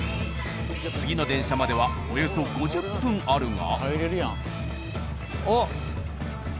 次の電車まではおよそ５０分あるが。